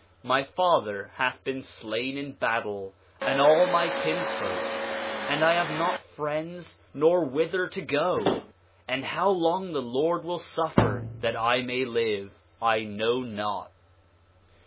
My father hath been slain in battle, and all my kinsfolk, and I have not friends nor whither to go; and how long the Lord will suffer that I may live I know not.